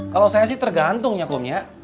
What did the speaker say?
kalo saya sih tergantung ya kum ya